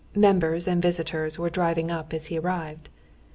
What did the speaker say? Members and visitors were driving up as he arrived.